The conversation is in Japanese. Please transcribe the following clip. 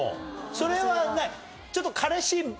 それはちょっと。